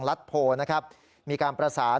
มีความรู้สึกว่าเกิดอะไรขึ้น